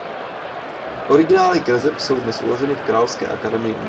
Originály kreseb jsou dnes uloženy v Královské akademii umění.